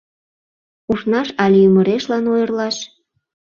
Ушнаш але ӱмырешлан ойырлаш?